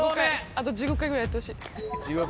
あと１５回ぐらいやってほしい。